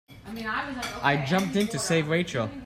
I jumped in to save Rachel.